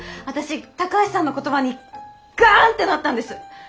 私高橋さんの言葉にガンってなったんです。